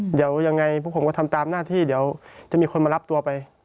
เดี๋ยวยังไงพวกผมก็ทำตามหน้าที่เดี๋ยวจะมีคนมารับตัวไป